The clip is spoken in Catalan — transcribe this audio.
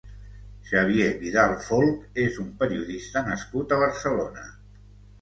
Xavier Vidal-Folch és un periodista nascut a Barcelona.